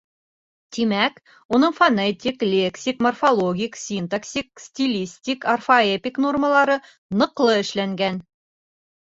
Тимәк, уның фонетик, лексик, морфологик, синтаксик, стилистик, орфоэпик нормалары ныҡлы эшләнгән.